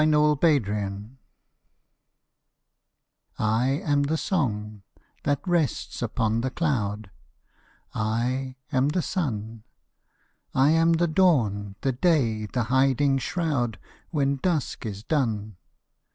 I AM THE WORLD I am the song, that rests upon the cloud; I am the sun: I am the dawn, the day, the hiding shroud, When dusk is done.